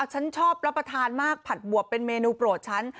ฉันชอบรับประทานมากผัดบวบเป็นเมนูโปรดฉัน